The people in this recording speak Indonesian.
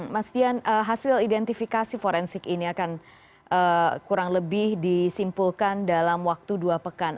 mas dian hasil identifikasi forensik ini akan kurang lebih disimpulkan dalam waktu dua pekan